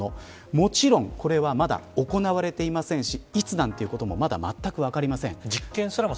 もちろんこれは、まだ行われていませんしいつなんていうのもまだまったく分かりません。